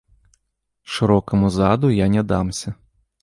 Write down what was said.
Шырокаму заду я не дамся.